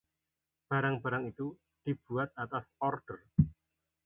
barang-barang itu dibuat atas order